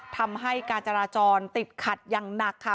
ทำให้การจราจรติดขัดอย่างหนักค่ะ